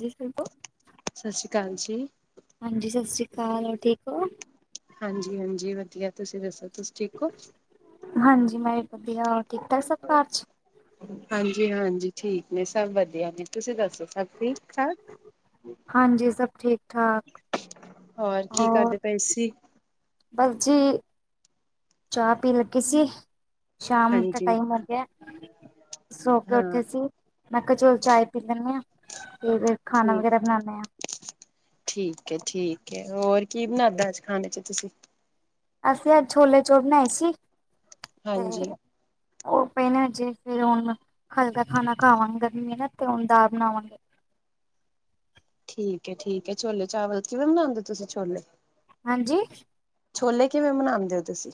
ਜੀ [unintelligible] ਸਤ ਸ਼ੀ ਅਕਾਲ ਜੀ। ਹਾਂਜੀ ਸਤਿ ਸੀ੍ ਅਕਾਲ ਹੋਰ ਠੀਕ ਹੋ ਹਾਂਜੀ-ਹਾਂਜੀ ਵਧੀਆ ਤੁਸੀਂ ਦੱਸੋ ਤੁਸੀਂ ਠੀਕ ਓ? ਹਾਂਜੀ ਮੈਂ ਵਧੀਆ ਹੋਰ ਠੀਕ-ਠਾਕ ਸਭ ਕਾਰ ਚ। ਹਾਂਜੀ-ਹਾਂਜੀ ਠੀਕ ਨੇ ਸਭ ਵਧੀਆ ਜੀ ਤੁਸੀਂ ਦੱਸੋ। ਸਭ ਠੀਕ-ਠਾਕ ਹਾਂਜੀ ਸਭ ਠੀਕ ਠਾਕ ਹੋਰ ਕੀ ਕਰਦੇ ਪਏ ਸੀ। ਬਸ ਜੀ। ਚਾਹ ਪੀ ਲੱਗੀ ਸੀ। ਸ਼ਾਮ ਦਾ ਹਾਂਜੀ ਟਾਈਮ ਹੋ ਗਿਆ ਸੋ ਕੇ ਹਾਂ ਉੱਠੇ ਸੀ। ਮੈਂ ਕਯਾ ਚੋਲੋ ਚਾਏ ਪੀ ਲੈਂਦੀ ਹਾਂ ਤੇ ਫੇਰ ਖਾਣਾ ਠੀਕ ਵਗੈਰਾ ਬਣਾਉਂਦੇ ਹਾਂ। ਠੀਕ ਹੈ, ਠੀਕ ਹੈ ਹੋਰ ਕੀ ਬਣਾਦਾ ਅੱਜ ਖਾਣੇ ਚ ਤੁਸੀਂ? ਅਸੀਂ ਅੱਜ ਛੋਲੇ- ਚੋਲ ਬਣਾਏ ਸੀ ਤੇ ਹਾਂਜੀ ਉਹ ਪਹਿ ਨਾ ਜੇ ਫੇਰ ਹੁਣ ਹਲਕਾ ਖਾਣਾ ਖਾਵਾਂਗੇ ਗਰਮੀ ਨਾ ਤੇ ਹੁਣ ਦਾ ਬਣਾਵਾਂਗੇ। ਠੀਕ ਹੈ, ਠੀਕ ਹੈ, ਛੋਲੇ- ਚਾਵਲ ਕਿਵੇਂ ਬਨਾਉਂਦੇ ਤੁਸੀਂ ਛੋਲੇ? ਹਾਂਜੀ? ਛੋਲੇ ਕਿਵੇਂ ਮਨਾੰਦੇ ਹੋ ਤੁਸੀਂ?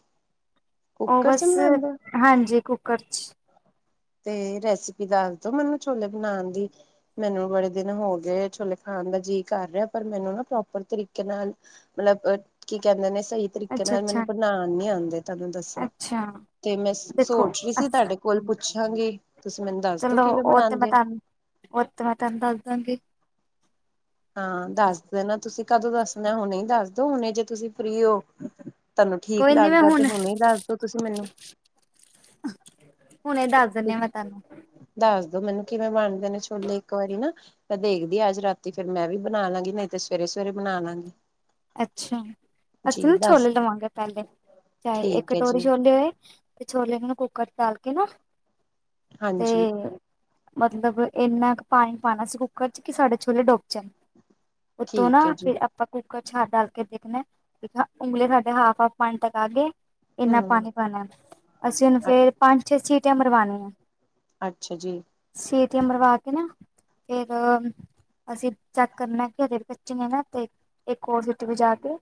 ਉਹ ਕੁੱਕਰ ਚ ਬਸ, ਬਣਾਉਂਦੇ ਹੋ? ਹਾਂਜੀ ਕੁੱਕਰ 'ਚ। ਤੇ ਰੈਸਿਪੀ ਦੱਸ ਦੋ ਮੈਨੂੰ ਛੋਲੇ ਬਣਾਨ ਦੀ। ਮੈਨੂੰ ਬੜੇ ਦਿਨ ਹੋ ਗਏ ਛੋਲੇ ਖਾਣ ਦਾ ਜੀਅ ਕਰ ਰਿਹਾ ਪਰ ਮੈਨੂੰ ਨਾ ਪ੍ਰੋਪਰ ਤਰੀਕੇ ਨਾਲ ਮਤਲਬ ਕੀ ਕਹਿੰਦੇ ਨੇ ਸਹੀ ਤਰੀਕੇ ਅੱਛਾ ਨਾਲ ਅੱਛਾ ਮੈਨੂੰ ਬਣਾਨ ਨੀ ਆੰਦੇ। ਤੁਹਾਨੂੰ ਦੱਸਿਆ, ਅੱਛਾ ਤੇ ਮੈਂ ਦੇਖੋ ਸੋਚ ਰਹੀ ਸੀ ਤਾਡੇ ਲ ਅ ਪੁੱਛਾਂਗੀ ਤੁਸੀਂ ਮੈਨੂੰ ਦੱਸ ਦੋ ਕਿਵੇਂ ਮਨਾੰਦੇ ਉਤ ਥਾ ਤਾਨੂ ਦੱਸ ਦਾਂਗੀ। ਹਾਂ ਦੱਸ ਦੇ ਨਾ ਤੁਸੀਂ ਕਦੋਂ ਦੱਸਣਾ ਹੁਣੇ ਦੱਸਦੋ ਹੁਣੇ ਜੇ ਤੁਸੀਂ ਫਰੀ ਹੋ? ਤਾਨੂੰ ਠੀਕ ਕੋਈ ਨੀ ਮੈਂ ਲੱਗਦਾ ਤੇ ਹੁਣ ਹੁਣੇ ਦੱਸਦੋ ਤੁਸੀਂ ਮੈਨੂੰ। ਹੁਣੇ ਦਾ ਦੱਸ ਦੋ ਮੈਨੂੰ ਕਿਵੇਂ ਬਣਦੇ ਨੇ ਛੋਲੇ ਇੱਕ ਵਾਰੀ ਨਾ। ਮੈਂ ਦੇਖਦੀ ਅੱਜ ਰਾਤੀ ਫੇਰ ਮੈਂ ਵੀ ਬਣਾ ਲਾਂਗੀ ਨਈ ਤੇ ਸਵੇਰੇ-ਸਵੇਰੇ ਬਣਾ ਲਾਂਗੀ। ਅੱਛਾ ਅਸੀਂ ਜੀ ਨਾ ਦੱਸ ਛੋਲੇ ਲਵਾਂਗੇ ਪੇਲੇ ਚਾਏ ਇਕ ਠੀਕ ਹੈ ਕਟੋਰੀ ਜੀ ਛੋਲੇ ਹੋਏ। ਤੇ ਛੋਲੇ ਨੂੰ ਕੁੂੱਕਰ ਚ ਤਲ ਕੇ ਨਾ ਤੇ ਹਾਂਜੀ। ਮਤਲਬ ਇੰਨਾ ਕੁ ਪਾਣੀ ਪਾਉਣਾ ਸੀ ਕੁੱਕਰ ਚ ਕਿ ਸਾਡੇ ਛੋਲੇ ਡੁੱਬ ਜਾਣ ਉੱਤੋਂ ਠੀਕ ਹੈ ਨਾ ਜੀ ਫਿਰ ਆਪਾਂ ਛੱਦ ਡਾਲ ਕੇ ਦੇਖਣਾ ਠੀਕ ਉਂਗਲੇ ਸਾਡੇ ਹਾਫ, ਹਫ ਪਾਣੀ ਤੱਕ ਆ ਗਏ। ਇੰਨਾ ਹਮ ਪਾਣੀ-ਪਾਣਾ ਅਸੀਂ ਉਹਨੂੰ ਫੇਰ ਪੰਜ, ਛੇ ਸੀਟੀਆਂ ਮਰਵਾਨੇ ਆ ਅੱਛਾ ਜੀ। ਸੀਟਿਆਂ ਮਰਵਾ ਕੇ ਨਾ ਫੇਰ ਅਸੀਂ ਚੈੱਕ ਕਰਨਾ ਕਿ ਹਜੇ ਕੱਚੇ ਨੇ ਨਾ ਤੇ ਇੱਕ ਹੋਰ ਸਿੱਟੀ ਵਜਾ ਕੇ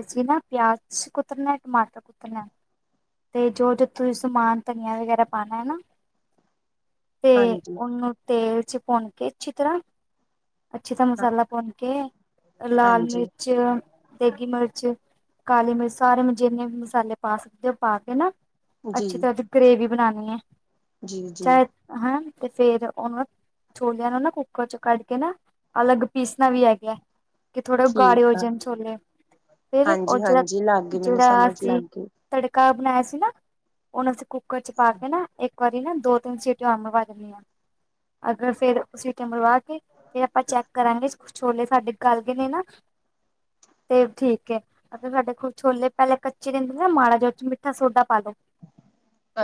ਅਸੀਂ ਨਾ ਪਿਆਜ ਕੁਤਰਨਾ, ਟਮਾਟਰ ਕੁਤਨੈ ਤੇ ਜੋ ਜੋ ਤੁਸੀਂ ਸਮਾਨ ਧਨੀਆ ਵਗੈਰਾ ਪਾਣਾ ਹੈ ਨਾ, ਤੇ ਹਾਂਜੀ ਔਹਨੂੰ ਤੇਲ ਚ ਭੌਨ ਕੇ ਅੱਛੀ ਤਰ੍ਹਾਂ, ਅੱਛੇ ਤ ਹਾਂ ਮਸਾਲਾ ਪੌਨ ਕੇ ਲਾਲ ਹਾਂਜੀ ਮਿਰਚ, ਦੇਗੀ ਮਿਰਚ ਕਾਲੀ ਮਿਰਚ ਸਾਰੇ ਜਿੰਨੇ ਵੀ ਮਸਾਲੇ ਪਾ ਸਕਦੇ ਔ ਪਾ ਕੇ ਨਾ ਜੀ ਅੱਛੀ ਤਰ੍ਹਾਂ ਦੀ ਗਰੇਵੀ ਬਣਾਣੀ ਏ, ਜੀ ਜੀ ਚਾਹੇ ਹੈਂ ਤੇ ਫੇਰ ਔਹਨੂੰ ਛੋਲਿਆਂ ਨੂੰ ਨਾ ਕੁੱਕਰ ਚ ਕੱਢ ਕੇ ਨਾ, ਅਲੱਗ ਪੀਸਣਾ ਵੀ ਹੈਗਾ ਕਿ ਥੋੜਾ ਠੀਕ ਆ ਕਾਰਯੋਜਨ ਛੋਲੇ, ਫਿਰ ਹਾਂਜੀ ਉਹ ਜਿਹੜਾ, ਹਾਂਜੀ ਲੱਗ ਗਈ ਮੈਨੂੰ ਜਿਹੜਾ ਸਮਝ ਅਸੀਂ ਲੱਗ ਗਈ ਤੜਕਾ ਬਣਾਇਆ ਸੀ ਨਾ, ਉਹਨੂੰ ਅਸੀਂ ਕੁੱਕਰ ਚ ਪਾ ਕੇ ਨਾ ਇੱਕ ਵਾਰੀ ਨਾ ਦੋ, ਤਿੰਨ ਸੀਟਿਆ ਹੋਰ ਮਰਵਾ ਦੀਨੀ ਆ, ਅਗਰ ਫੇਰ ਸੀਟਿਆ ਮਰਵਾ ਫੇਰ ਆਪਾਂ ਚੈੱਕ ਕਰਾਂਗੇ ਛੋਲੇ ਸਾਡੇ ਗਲ ਗਏ ਨੇ ਨਾ ਤੇ ਠੀਕ ਹੈ। ਅਗਰ ਸਾਡੇ ਕੂਛ ਛੋਲੇ ਪਹਿਲੇ ਕੱਚੇ ਰਹਿੰਦੇ ਨਾ ਮਾੜਾ ਜ ਔਚ ਮਿੱਠਾ ਸੋਡਾ ਪਾ ਦੋ।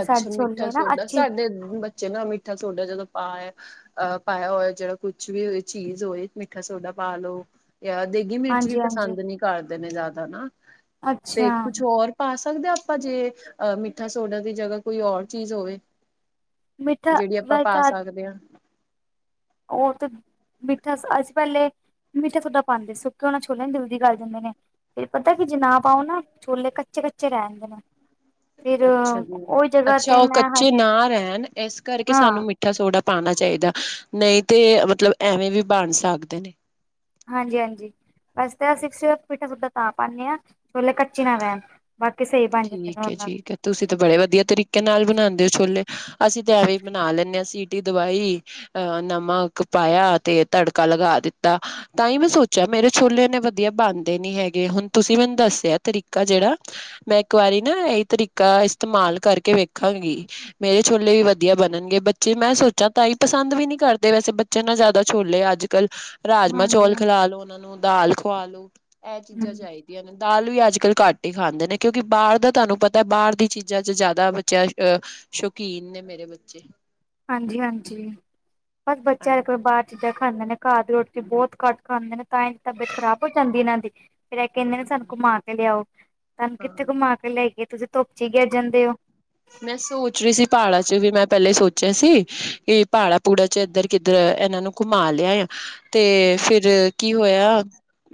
ਅੱਛਾ ਮਿੱਠਾ ਸੋਡਾ ਸਾਡੇ ਬੱਚੇ ਨਾ ਮਿੱਠਾ ਸੋਡਾ ਜਦੋਂ ਪਾ ਏ ਅਹ ਪਾਇਆ ਹੋਇਆ ਜਿਹੜਾ ਕੁਛ ਵੀ ਹੋਏ ਚੀਜ਼ ਹੋਏ ਮਿੱਠਾ ਸੋਡਾ ਪਾ ਲੋ ਯਾ ਦੇਗੀ ਮਿਰਚ ਵੀ ਹਾਂਜੀ ਹਾਂਜੀ ਪਸੰਦ ਨੀ ਕਰ ਦੇ ਜ਼ਿਆਦਾ ਨਾ, ਤੇ ਅੱਛਾ ਕੁਛ ਹੋਰ ਪਾ ਸਕਦੇ ਹਾਂ ਆਪਾਂ ਜੇ ਅਹ ਮਿੱਠਾ ਸੋਡਾ ਦੀ ਜਗ੍ਹਾ ਕੋਈ ਹੋਰ ਚੀਜ਼ ਹੋਵੇ? ਮਿੱਠਾ ਜਿਹੜੀ ਆਪਾਂ ਪਾ ਸਕਦੇ ਹਾਂ। ਓ ਤੇ ਮਿੱਠਾ ਅਸੀ ਪੈਲੇ ਮੀਠਾ ਸੋਡਾ ਪਾਂਦੇ ਸੁੱਕੇ ਓਨਾ ਛੋਲੇ ਨਾ ਜਲਦੀ ਗੱਲ ਜਾਂਦੇ ਨੇ। ਫੇਰ ਪਤੈ ਕਿ ਜੇ ਨਾ ਪਾਓ ਨਾ, ਛੋਲੇ ਕੱਚੇ-ਕੱਚੇ ਰੈਂਦੇ ਨੇ। ਫਿਰ ਅੱਛਾ ਜੀ, ਉਹ ਜਗ੍ਹਾ ਅੱਛਾ, ਤੇ ਓ ਮੈਂ ਕੱਚੇ ਨਾ ਰੈਨ ਏਸ ਕਰਕੇ ਹਾਂ ਸਾਨੂੰ ਮੀ ਮਿੱਠਾ ਸੋਡਾ ਪਾਨਾ ਚਾਈਦਾ, ਨਈ ਤੇ ਮਤਲਬ ਐਵੇਂ ਵੀ ਬੰਨ ਸਕਦੇ ਨੇ। ਹਾਂਜੀ, ਹਾਂਜੀ ਬੱਸ ਤੇ ਐ ਅੱਛਾ [unintelligible] ਮਿੱਠਾਂ ਸੋਡਾ ਤਾਂ ਪਾਨੇ ਆਂ ਛੋਲੇ ਕੱਚੇ ਨਾ ਰੈਨ। ਠੀਕ ਐ ਜੀ, ਠੀਕ ਐ, ਤੁਸੀਂ ਤੇ ਬੜੇ ਵਧੀਆ ਤਰੀਕੇ ਨਾਲ ਬਨਾਂਦੇ ਓ ਛੋਲੇ। ਅਸੀ ਤੇ ਐਵੇਂ ਈ ਬਨਾ ਲੈਨੇ ਆਂ ਸੀਟੀ ਦਵਾਈ ਅ ਨਮਕ ਪਾਇਆ, ਤੇ ਤੜਕਾ ਲਗਾ ਦਿੱਤਾ। ਤਾ ਈਂ ਮੈਂ ਸੋਚਯਾ ਮੇਰੇ ਛੋਲੇ ਏਨੇ ਵਦੀਆ ਬੰਨਦੇ ਨੀ ਹੈਗੇ, ਹੁਨ ਤੁਸੀ ਮੈਨੂੰ ਦੱਸਿਆ ਤਰੀਕਾ ਜੇੜਾ ਮੈਂ ਏਕ ਵਾਰੀ ਨਾ ਐਈ ਤਰੀਕਾ ਇਸਤੇਮਾਲ ਕਰਕੇ ਵੇਖਾਂਗੀ। ਮੇਰੇ ਛੋਲੇ ਵੀ ਵਧੀਆ ਬਨਨਗੇ, ਬੱਚੇ ਮੈਂ ਸੋਚਾਂ ਤਾ ਈ ਪਸੰਦ ਵੀ ਨੀ ਕਰਦੇ ਵੈਸੇ ਬਚ ਚਨਾ ਜਾਦਾ ਛੋਲੇ ਅੱਜ-ਕੱਲ ਰਾਜਮਾਂ ਹਾਂਜੀ ਚੋਲ ਖਿਲਾ ਲੋ ਓਨਾਂ ਨੂੰ, ਦਾਲ ਖਵਾ ਲੋ, ਐ ਚੀਜ਼ਾਂ ਹਮ ਚਾਈਦੀ। ਯਾਨੀ ਦਾਲ ਵੀ ਅੱਜ-ਕੱਲ ਘੱਟ ਈ ਖਾਂਦੇ ਨੇ ਕਿਉ ਕਿਉ ਬਾਰ ਦਾ ਤਾਨੂੰ ਪਤਾ ਬਾਰ ਦੀ ਚੀਜ਼ਾ ਚ ਜਾਦਾ ਬੱਚੇਆ ਅ ਸ਼ੌਕੀਨ ਨੇ ਮੇਰੇ ਬੱਚੇ ਹਾਂਜੀ, ਹਾਂਜੀ ਬੱਸ ਬੱਚਿਆ [unintelligible] ਬਾਰ ਚੀਜ਼ਾਂ ਖਾਂਦੇ ਨੇ ਘਰ ਦੀ ਰੋਟੀ ਬੋਤ ਘੱਟ ਖਾਂਦੇ ਨੇ, ਤਾਂ ਈ ਤਬੀਅਤ ਖਰਾਬ ਹੋ ਜਾਂਦੀ ਏਨਾ ਦੀ ਫੇਰ ਐ ਕੈਂਦੇ ਨੇ ਸਾਨੂੰ ਘੁਮਾ ਕੇ ਲਿਆਓ, ਸਾਨੂੰ ਕਿੱਥੇ ਹਾਂ। ਘੁਮਾ ਕੇ ਲੈ ਕੇ ਤੁਸੀ ਧੋੱਪ ਚ ਈ ਗਿਰ ਜਾਂਦੇ ਓ। ਮੈਂ ਸੋਚ ਰਹੀ ਸੀ ਪਹਾੜਾਂ ਚ ਵੀ ਮੈਂ ਪਹਿਲੇ ਸੋਚਿਆ ਸੀ, ਕਿ ਪਾੜਾ ਪੂੜਾ ਚ ਇੱਧਰ-ਕਿੱਧਰ ਇਹਨਾਂ ਨੂੰ। ਘੁਮਾ ਲਿਆਏ, ਤੇ ਫਿਰ ਕੀ ਹੋਇਆ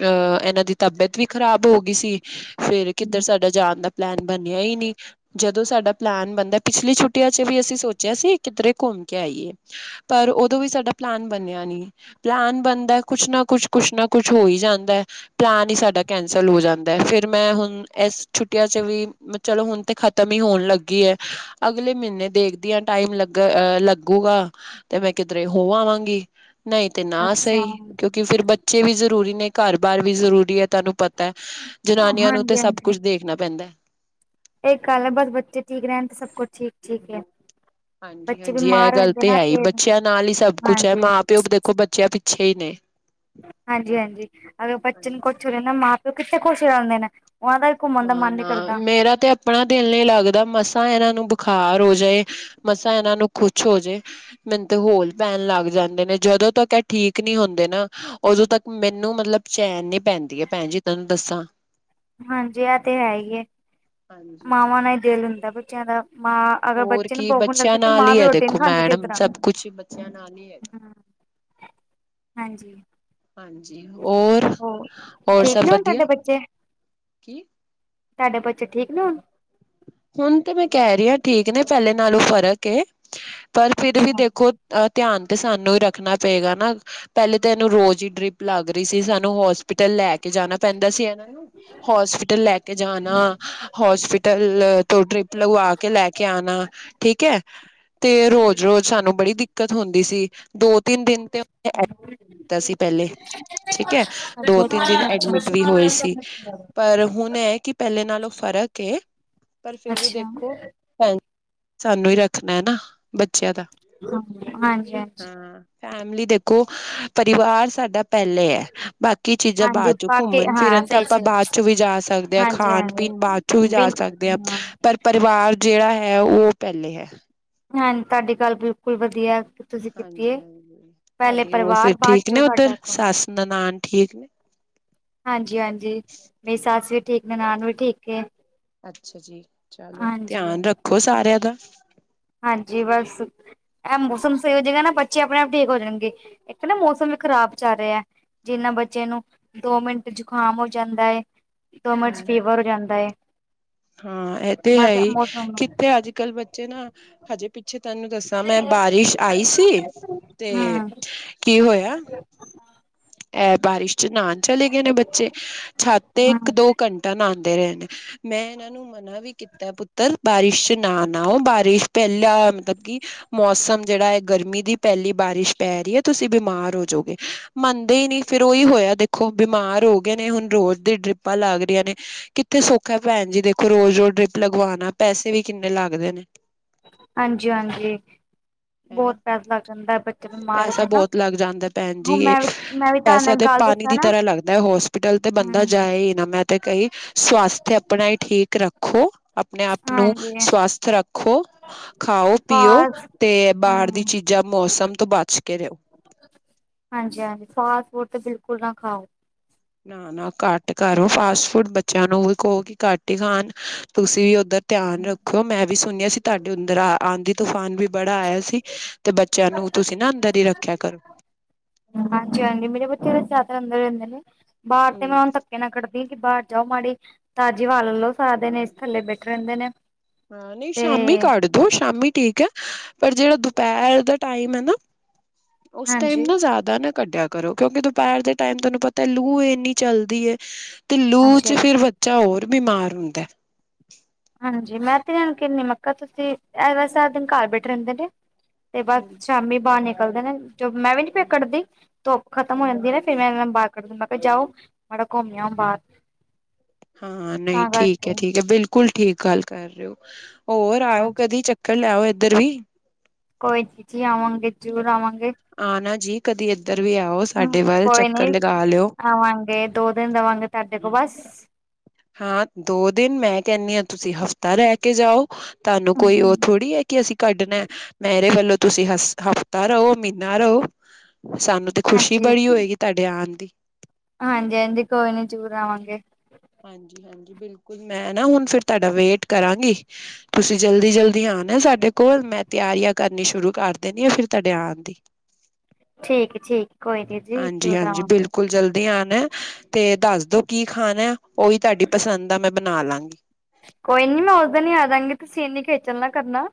ਅਹ ਇਹਨਾਂ ਦੀ ਤਬੀਅਤ ਵੀ ਖ਼ਰਾਬ ਹੋ ਗਈ ਸੀ ਫੇਰ ਕਿੱਧਰ ਸਾਡਾ ਜਾਣ ਦਾ ਪਲੈਨ ਬਣਿਆ ਹੀ ਨਹੀਂ ਜਦੋਂ ਸਾਡਾ ਪਲਾਨ ਬਣਦਾ ਪਿਛਲੀ ਛੁੱਟੀਆਂ ਚ ਵੀ ਅਸੀਂ ਸੋਚਿਆ ਸੀ, ਕਿੱਧਰੇ ਘੁੰਮ ਕੇ ਆਈਏ। ਪਰ ਉਦੋਂ ਵੀ ਸਾਡਾ ਪਲਾਨ ਬਣਿਆ ਨੀ। ਪਲਾਨ ਬਨਦਾ ਕੁਛ ਨਾ ਕੁਛ, ਕੁਛ ਨਾ ਕੁਛ ਹੋ ਈ ਜਾਂਦਾ। ਪਲਾਨ ਈ ਸਾਡਾ ਕੈਂਸਲ ਹੋ ਜਾਂਦੈ, ਫੇਰ ਮੈਂ ਹੁਨ ਐਸ ਛੁੱਟੀਆਂ ਚ ਵੀ, ਚਲੋ ਹੁਨ ਤੇ ਖਤਮ ਈ ਹੋਨ ਲੱਗ ਕਿ ਐ ਅਗਲੇ ਮੀਨੇ ਦੇਖਦੀ ਆਂ ਟਾਈਮ ਲੱਗਾ ਅ ਲੱਗੂਗਾ। ਤੇ ਮੈਂ ਕਿੱਧਰੇ ਹੋ ਆਵਾਂਗੀ, ਨਈਂ ਤੇ ਨਾ ਅੱਛਾ। ਸਈ ਕਿਉਕਿ ਫੇਰ ਬੱਚੇ ਵੀ ਜ਼ਰੂਰੀ ਨੇ, ਘਰ ਬਾਰ ਵੀ ਜ਼ਰੂਰੀ ਐ ਤੁਹਾਨੂੰ ਪਤਾ ਜਨਾਨੀਆਂ ਨੂੰ ਤੇ ਹਾਂਜੀ ਸਬ ਕੁਝ ਦੇਖਨਾ ਪੈਂਦਾ ਏਕ ਗੱਲ ਏ ਬੱਸ ਬੱਚੇ ਠੀਕ ਰਹਿਣ ਤੇ ਸਬ ਕੁੱਛ ਠੀਕ, ਠੀਕ ਏ। ਹਾਂਜੀ, ਹਾਂਜੀ ਐ ਗੱਲ ਤੇ ਹੈਈ ਬੱਚਿਆਂ ਨਾਲ ਈ ਸਬ ਕੁੱਛ ਐ, ਹਾਂਜੀ ਮਾਂ-ਪਿਓ ਦੇਖੋ ਬਚ [unintelligible] ਪਿੱਛੇ ਈ ਨੇ। ਹਾਂਜੀ, ਹਾਂਜੀ ਅਗਰ ਬੱਚੇ ਨੂੰ ਕੁਛ ਹੋਜੇ ਨਾ ਮਾਂ-ਪਿਓ ਕਿੱਥੇ ਖੁਸ਼ ਰਹਿੰਦੇ ਨੇ ਉਨਾਂ ਦਾ ਘੁੰਮਣ ਦਾ ਨਾ, ਮਨ ਨੀ ਨਾ ਕਰਦਾ ਮੇਰਾ ਤੇ ਅਪ ਅਪਣਾ ਦਿਲ ਨਈ ਲੱਗਦਾ ਮਸਾਂ ਐਨਾਂ ਨੂੰ ਬੁਖਾਰ ਹੋਜੇ, ਮਸਾਂ ਐਨਾਂ ਨੂੰ ਕੁੱਛ ਹੋਜੇ। ਮੈਨੂੰ ਤੇ ਹੋਲ ਪੈਨ ਲੱਗ ਜਾਂਦੇ ਨੇ ਜਦੋ ਤੱਕ ਐ ਠੀਕ ਨੀ ਹੁੰਦੇ ਨਾ ਓਦੋ ਤੱਕ ਮੈਨੂੰ ਮਤਲਬ ਚੈਨ ਨੀ ਪੈਂਦੀ ਐ ਭੈਣ ਜੀ ਤੁਹਾਨੂੰ ਦੱਸਾ ਹਾਂਜੀ, ਐ ਤੇ ਹੈਈ ਏ ਹਾਂਜੀ ਮਾਵਾਂ ਨਾ ਈ ਦਿਲ ਹੁੰਦਾ ਬੱਚਿਆਂ ਦਾ। ਮਾਂ ਅਗਰ ਹੋਰ ਬੱਚੇ ਨੂੰ ਕੀ ਭੁੱਖ ਨੀ ਲੱਗਦੀ, ਬੱਚਿਆਂ ਤੇ ਨਾਲ ਮਾਂ ਹੀ ਵੀ ਹੈ ਰੋਟੀ ਨੀ ਦੇਖੋ ਖਾਂਦੀ ਸਈ ਮੈਡਮ ਤਰਾ ਸਭ ਕੁਛ ਬੱਚਿਆਂ ਨਾਲ ਹੀ ਹੈਗਾ ਹਾਂਜੀ। ਹਾਂਜੀ, ਔਰ ਹੋਰ ਹੋਰ ਠੀਕ ਨੇ ਸਭ ਹੁਣ ਤੁਹਾਡੇ ਵਧੀਆ। ਬੱਚੇ ਕੀ ਤੁਹਾਡੇ ਬੱਚੇ ਠੀਕ ਨੇ ਹੁਣ? ਹੁਣ ਤੇ ਮੈਂ ਕਹਿ ਰੀ ਠੀਕ ਨੇ ਪਹਿਲਾ ਨਾਲੋ ਫ਼ਰਕ ਏ ਪਰ ਫੇਰ ਵੀ ਅੱਛਾ ਦੇਖੋ ਧਿਆਨ ਤੇ ਸਾਨੂੰ ਈ ਰੱਖਨਾ ਪਏਗਾ ਨਾ ਪਹਿਲਾ ਤੇ ਏਨੂੰ ਰੋਜ਼ ਈ ਡਰਿਪ ਲੱਗ ਰੀ ਸੀ ਸਾਨੂੰ ਹੋਸਪਿਟਲ ਲੈ ਕੇ ਜਾਣਾ ਪੈਂਦਾ ਸੀ ਐਨਾ ਨੂੰ ਹੋਸਪਿਟਲ ਲੈ ਕੇ ਜਾਣਾ, ਹੋਸਪਿਟਲ ਤੋ ਡਰਿੱਪ ਲਗਵਾ ਕੇ, ਲੈਕੇ ਆਣਾ ਠੀਕ ਐ ਤੇ ਰੋਜ਼-ਰੋਜ਼ ਸਾਨੂੰ ਬੜੀ ਦਿੱਕਤ ਹੁੰਦੀ ਸੀ, ਦੋ-ਤਿੰਨ ਦਿਨ ਤੇ ਕੀਤਾ ਸੀ ਪਹਿਲੇ ਅੱਛਾ ਠੀਕ ਅਤਦੋ ਤਿੰਨ ਦਿਨ ਅੱਛਾ ਅੱਛਾ ਐਡਮਿਟ ਵੀ ਹੋਏ ਸੀ਼ ਪਰ ਹੁਣ ਇਹ ਕਿ ਪਹਿਲੇ ਨਾਲੋ ਫ਼ਰਕ ਏ ਪਰ ਫਿਰ ਵੀ ਅੱਛਾ ਦੇਖੋ ਸਾਨੂੰ ਹੀ ਰੱਖਣਾ ਨਾ ਬੱਚਿਆਂ ਦਾ ਹਾਂ ਹਾਂਜੀ-ਹਾਂਜੀ ਹਾਂ ਫੈਮਲੀ ਦੇਖੋ ਪਰਿਵਾਰ ਸਾਡਾ ਪਹਿਲੇ ਐ ਬਾਕੀ ਕੀ ਚੀਜ਼ਾਂ ਹਾਂਜੀ ਬਾਅਦ ਚੋਂ ਬਾਕੀ ਘੁੰਮਣ ਹਾਂ ਫਿਰਨ ਤਾਂ ਸਹੀ ਆਪਾਂ ਸਹੀ ਬਾਅਦ ਚੋਂ ਵੀ ਜਾ ਸਕਦੇ ਹਾਂ ਹਾਂਜੀ ਖਾਣ ਪੀਣ ਬਾ ਅਦ ਹਾਂਜੀ ਜਾ ਬਿਲ ਸਕਦੇ ਆ ਹਾਂ ਪਰ ਪਰਿਵਾਰ ਜਿਹੜਾ ਹੈ ਉਹ ਪਹਿਲੇ ਹੈ। ਹਾਂਜੀ, ਤੁਹਾਡੀ ਗੱਲ ਬਿਲਕੁਲ ਵਧੀਆ ਤੁਸੀਂ ਕੀਤੀ ਹੈ ਹਾਂਜੀ-ਹਾਂਜੀ ਪਹਿਲੇ ਤੁਹਾਡੀ ਹੋਰ ਫਿਰ ਪਰਿਵਾਰ ਬਾਅਦ ਠੀਕ ਨੇ ਚੋਂ ਉੱਧਰ ਸਾਡਾ ਕੰਮ ਸੱਸ ਨਨਾਣ ਠੀਕ ਨੇ ਹਾਂਜੀ-ਹਾਂਜੀ! ਮੇਰੀ ਸੱਸ ਵੀ ਠੀਕ ਨਨਾਣ ਵੀ ਠੀਕ ਵੇ ਅੱਛਾ ਜੀ, ਚਲੋ ਧਿਆਨ ਰੱਖੋ ਸਾਰਿਆਂ ਦਾ। ਹਾਂਜੀ। ਬਸ ਇਹ ਮੌਸਮ ਸਹੀ ਹੋਜੇਗਾ ਨਾ ਬੱਚੇ ਆਪਣੇ ਆਪ ਠੀਕ ਹੋ ਜਾਣਗੇ। ਇੱਕ ਨਾ ਮੌਸਮ ਵੀ ਖਰਾਬ ਚੱਲ ਰਿਹਾ ਜਿੰਨਾ ਬੱਚੇ ਨੂੰ ਦੋ ਮਿੰਟ ਜੁਕਾਮ ਹੋ ਜਾਂਦਾ ਏ। ਤੋਮਰ ਚ ਹਮ ਫੀਵਰ ਹੋ ਜਾਂਦਾ ਐ। ਹਾਂ, ਇਹ ਤੇ ਹੈ ਹੀ ਕਿੱਥੇ ਅੱਜ ਕੱਲ ਬੱਚੇ ਨਾ ਹਜੇ ਪਿੱਛੇ ਤੈਨੂੰ ਦੱਸਾਓਓ ਤਾਂ ਮੈਂ ਹਮ ਬਾਰਿਸ਼ ਆਈ ਸੀ ਤੇ ਕੀ ਹੋਇਆ ਇਹ ਬਾਰਿਸ਼ ਚ ਨਹਾਾਨ ਚਲੇ ਗਏ ਨੇ ਬੱਚੇ ਛਤ ਇੱਕ ਹਮ ਦੋ ਘੰਟਾ ਨਹਾਣ [unintelligible] ਮੈਂ ਐਨਾ ਨੂੰ ਮਨਾ ਵੀ ਕੀਤਾ ਪੁੱਤਰ ਬਾਰਿਸ਼ ਚ ਨਾਓ ਬਾਰਿਸ਼ ਪਹਿਲਾ ਮਤਲਬ ਕਿ ਮੌਸਮ ਜਿਹੜਾ ਏ ਗਰਮੀ ਦੀ ਪਹਿਲੀ ਬਾਰਿਸ਼ ਪੈ ਰੀ ਏ, ਤੁਸੀ ਬਿਮਾਰ ਹੋਜੋਗੇ। ਮੰਨਦੇ ਈ ਨਈ ਫੇਰ ਓਈ ਹੋਇਆ ਦੇਖੋ ਬਿਮਾਰ ਹੋਗੇ ਨੇ, ਹੁਣ ਰੋਜ਼ ਦੀ ਡਰਿੱਪਾਂ ਲੱਗ ਰਿਆਂ ਨੇ ਕਿੱਥੇ ਸੋਖਾ ਭੈਣ ਜੀ, ਦੇਖੋ ਰੋਜ਼-ਰੋਜ਼ ਡਰਿਪ ਲਗਵਾਨਾ, ਪੈਸੇ ਵੀ ਕਿੰਨੇ ਲੱਗਦੇ ਨੇ। ਹਾਂਜੀ-ਹਾਂਜੀ ਹਨਾ ਬਹੁਤ ਪੈਸਾ ਲੱਗ ਜਾਂਦਾ ਬੱਚੇ ਬਿਮਾਰ ਪੈਸਾ ਤੇ। ਬਹੁਤ ਲੱਗ ਭੈਣ ਜੀ ਪੈਸਾ ਇੱਕ ਤੇ ਗੱਲ ਪਾਣੀ ਦੱਸਾਂ ਦੀ ਨਾ ਤਰ੍ਹਾਂ ਲੱਗਦਾ ਹੋਸਪਿਟਲ ਤੇ ਬੰਦਾ ਹਮ ਜਾਏ ਮੈਂ ਤੇ ਕਹੀ ਸਵਾਸਥ ਆਪਣਾ ਹੀ ਠੀਕ ਰੱਖੋ ਆਪਣੇ ਆਪ ਨੂੰ ਹਾਂਜੀ ਸਵਸਥ ਰੱਖੋ ਖਾਓ- ਪੀਓ ਬਸ ਤੇ ਬਾਹਰ ਦੀ ਹਮ ਚੀਜ਼ਾਂ, ਮੌਸਮ ਤੋਂ ਬਚ ਕੇ ਰਹੋ। ਹਾਂਜੀ -ਹਾਂਜੀ ਫਾਸਟ ਫੂਡ ਤੇ, ਬਿਲਕੁਲ ਨਾ ਖਾਓ। ਨਾ- ਨਾ ਘੱਟ ਕਰੋ ਫਾਸਟ ਫੂਡ, ਬੱਚਿਆਂ ਨੂੰ ਵੀ ਕਹੋ ਕਿ ਘੱਟ ਹੀ ਖਾਣ। ਤੁਸੀਂ ਵੀ ਉੱਧਰ ਧਿਆਨ ਰੱਖਿਓ। ਮੈਂ ਵੀ ਸੁਣਿਆ ਸੀ ਤੁਹਾਡੇ ੳਧਰ, ਆਧੀ- ਤੂਫਾਨ ਵੀ ਬੜਾ ਆਇਆ ਸੀ। ਤੇ ਬੱਚਿਆਂ ਨੂੰ ਤੁਸੀਂ ਨਾ, ਅੰਦਰ ਹੀ ਰੱਖਿਆ ਕਰੋ। ਹਾਂਜੀ- ਹਾਂਜੀ। ਮੇਰੇ ਬੱਚੇ ਜਿਆਦਾ ਅੰ ਦਰ ਰਹਿੰਦੇ ਨੇ। ਬਾਹਰ ਤੇ ਹਮ ਮੈਂ ਹੁਣ ਤੱਕ ਮੈਂ ਕੱਢਦੀ ਕੀ ਬਾਹਰ ਜਾਓ ਮਾੜੀ। ਤਾਜ਼ੀ ਹਵਾ ਲ ਲਓ ਸਾਰਾ ਦਿਨ ਏਸੀ ਥੱਲੇ ਬੈਠੇ ਰਹਿੰਦੇ ਨੇ। ਹਾਂ, ਨਹੀਂ ਤੇ ਸ਼ਾਮੀ ਕੱਢ ਦਿਓ ਸ਼ਾਮੀ ਠੀਕ ਹੈ। ਪਰ ਜਿਹੜਾ ਦੁਪਹਿਰ ਦਾ ਟਾਈਮ ਹੈ, ਨਾ ਉਸ ਟਾਈਮ ਹਾਂਜੀ। ਨਾ ਜ਼ਿਆਦਾ ੱਦਾਂ ਨਾ ਕੱਢਿਆ ਕਰੋ, ਕਿਉਂਕਿ ਦੁਪਹਿਰ ਦੇ ਟਾਈਮ ਤੁਹਾਨੂੰ ਪਤਾ ਲੂ ਇੰਨੀ ਚੱਲਦੀ ਹੈ। ਤੇ ਲੂ ਵਿਚ, ਅੱਛਾ। ਫੇਰ ਬੱਚਾ ਹੋਰ ਬਿਮਾਰ ਹੁੰਦਾ। ਹਾਂਜੀ, ਮੈਂ ਤੇ ਐ ਨ ਕਿਨੀ ਮੱ ਕ ਤੁਸੀਂ ਐਵੇ ਸਾਰਾ ਦਿਨ ਘਰ ਬੈਠੇ ਰਹਿੰਦੇ ਨੇ। ਤੇ ਬਸ ਸ਼ਾਮੀ ਬਾਹਰ ਨਿਕਲਦੇ ਨੇ। ਜੋ ਮੈਂ ਵੀ ਨੀ ਫੇਰ ਕਢਦੀ, ਧੁੱਪ ਖਤਮ ਹੋ ਜਾਂਦੀ ਐ। ਫੇਰ ਮੈਂ ਇਹਨਾਂ ਨੂੰ ਬਾਹਰ ਕੱ ਦ ਮ ਕਿਹਾ ਜਾਓ ਮਾੜਾ ਘੁੰਮਿਆ ਬਾਹਰ। ਹਾਂ, ਨਹੀਂ ਤਾਂ ਠੀਕ ਕਰਕੇ ਹੈ- ਠੀਕ ਹੈ ਬਿਲਕੁਲ ਠੀਕ ਗੱਲ ਕਰ ਰਹੇ ਹੋ। ਹੋਰ ਆਇਓ ਹਾਂਜੀ ਕਦੀ ਚੱਕਰ ਲਿਆਓ ਇੱਧਰ ਵੀ। ਕੋਈ ਨੀ ਜੀ ਆਵਾਂਗੇ, ਜ਼ਰੂਰ ਆਵਾਂਗੇ। ਆ ਨਾ ਜੀ, ਕਦੀ ਇੱਧਰ ਵੀ ਆਓ। ਸਾਡੇ ਵੱਲ ਚੱਕਰ ਲਗਾ ਲਿਓ। ਖਵਾਂਗੇ। ਦੋ ਦਿਨ ਰਵਾਂਗੇ ਤੁਹਾਡੇ ਕੋਲ ਬਸ। ਹਾਂ, ਦੋ ਦਿਨ। ਮੈਂ ਕਹਿੰਦੀ ਹਾਂ ਤੁਸੀਂ ਹਫ਼ਤਾ ਰਹਿ ਕੇ ਜਾਓ। ਤੁਹਾਨੂੰ ਕੋਈ ਹੂੰ। ਉਹ ਥੋੜੀ ਹੈ, ਕਿ ਅਸੀਂ ਕੱਢਣਾ ਮੇਰੇ ਵੱਲੋਂ ਤੁਸੀਂ ਹਫ ਤਾ ਰਹੋ, ਮਹੀਨਾ ਰਹੋ, ਸਾਨੂੰ ਤੇ ਖੁਸ਼ੀ ਹਾਂਜੀ, ਬੜੀ ਹੋਏਗੀ ਤੁਹਾਡੇ ਆਉਣ ਦੀ। ਹਾਂਜੀ- ਹਾਜੀ, ਕੋਈ ਨੀ ਜਰੂਰ ਆਵਾਂਗੇ। ਹਾਂਜੀ -ਹਾਂਜੀ, ਬਿਲਕੁਲ ਮੈਂ ਨਾ ਹੁਣ ਫੇਰ ਤੁਹਾਡਾ ਵੇਟ ਕਰਾਂਗੀ। ਤੁਸੀਂ ਜਲਦੀ- ਜਲਦੀ ਆਣਾ ਏ, ਸਾਡੇ ਕੋਲ ਮੈਂ ਤਿਆਰੀਆਂ ਕਰਨੀਆਂ ਸ਼ੁਰੂ ਕਰ ਦੇਣੀ ਆ। ਫੇਰ ਤੁਹਾਡੇ ਆਉਣ ਦੀ। [inaudible] ਠੀਕ-ਠੀਕ ਕੋਈ ਨੀ ਜੀ, ਜਰੂਰ ਆਵਾਂਗੇ। ਦੀ ਆਣਾ ਹੈ, ਤੇ ਦੱਸ ਦੋ ਕੀ ਖਾਣਾ ਉਹੀ ਤੁਹਾਡੀ ਪਸੰਦ ਦਾ, ਮੈਂ ਬਣਾ ਲਾਂਗੀ। ਕੋਈ ਨੀ ਮੈਂ ਉਸ ਦਿਨ ਹੀ ਆ ਜਾਂਗੀ। ਤੁਸੀਂ ਇੰਨੀ ਖੇਚਲ ਨਾ ਕਰਨਾ।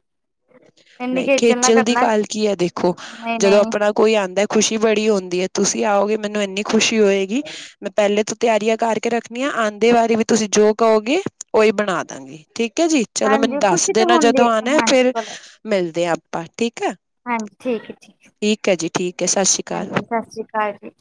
ਇੰਨੀ ਨਹੀਂ ਨਾ ਖੇਚਲ ਦੀ ਕਰਨਾ। ਕਾਲ ਕੀ ਹੈ। ਦੇਖੋ ਜਦੋਂ ਨਹੀਂ-ਨਹੀਂ ਆਪਣਾ ਕੋਈ ਆਉਂਦਾ ਹੈ, ਖੁਸ਼ੀ ਬੜੀ ਹੁੰਦੀ ਹੈ। ਤੁਸੀਂ ਆਓਗੇ ਮੈਨੂੰ ਇੰਨੀ ਖੁਸ਼ੀ ਹੋਏਗੀ ਮੈਂ, ਪਹਿਲੇ ਤੋਂ ਤਿਆਰੀਆਂ ਕਰਕੇ ਰੱਖਣੀਆਂ। ਆਂਦੇ ਵਾਰੀ ਵੀ ਤੁਸੀਂ ਜੋ ਕਹੋਗੇ ਉਹੀ ਬਣਾ ਦਾ ਗੀ। ਠੀਕ ਹੈ ਜੀ। ਚਲੋ ਮੈਨੂੰ ਹਾਂਜੀ ਦੱਸ ਖੁਸ਼ੀ ਤੇ ਦੇਣਾ ਹੁੰਦੀ ਜਦੋਂ ਆਉਣਾ। ਹਾਂਜੀ ਫੇਰ ਭਲਾ ਮਿਲਦੇ ਹ ਆਪਾਂ ਠੀਕ ਹੈ। ਹਾਂਜੀ, ਠੀਕ ਹੈ-ਠੀਕ ਹੈ। ਠੀਕ ਹੈ ਜੀ, ਠੀਕ ਹੈ ਸਤ ਸ਼੍ਰੀ ਅਕਾਲ ਹਾਂਜੀ, ਸਤਿ ਸ਼੍ਰੀ ਅਕਾਲ ਜੀ।